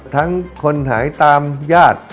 ทั้งคนหายตามญาติ